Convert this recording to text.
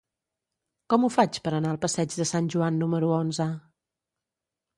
Com ho faig per anar al passeig de Sant Joan número onze?